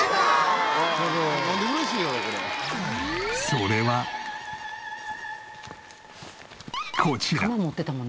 それはこちら。